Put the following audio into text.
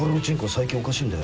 最近おかしいんだよ。